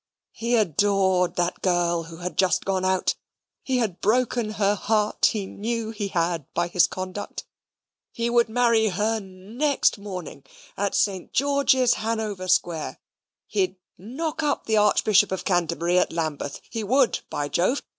He adored that girl who had just gone out; he had broken her heart, he knew he had, by his conduct; he would marry her next morning at St. George's, Hanover Square; he'd knock up the Archbishop of Canterbury at Lambeth: he would, by Jove!